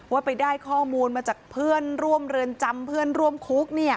ว่าไปได้ข้อมูลมาจากเพื่อนร่วมเรือนจำเพื่อนร่วมคุก